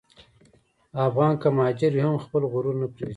افغان که مهاجر وي، هم خپل غرور نه پرېږدي.